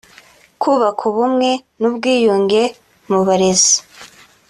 kubaka ubumwe n’ubwiyunge mu barezi